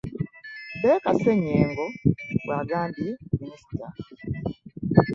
Baker Ssejjengo bw'agambye minisita.